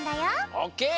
オッケー！